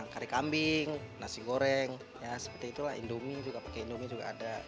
kari kambing nasi goreng ya seperti itulah indomie juga pakai indomie juga ada